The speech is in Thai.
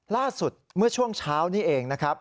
ล่าสุดเมื่อช่วงเช้านี้เองนะครับ